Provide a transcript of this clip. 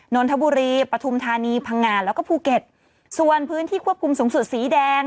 นนทบุรีปฐุมธานีพังงานแล้วก็ภูเก็ตส่วนพื้นที่ควบคุมสูงสุดสีแดง